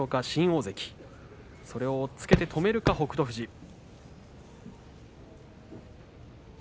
新大関、それを押っつけて止めるか北勝富士。